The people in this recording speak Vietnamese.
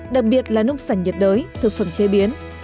đặc biệt là nông sản nhiệt đới thực phẩm chế biến